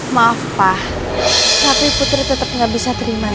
maaf pak tapi putri tetap gak bisa terima